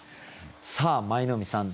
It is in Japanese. さあ舞の海さん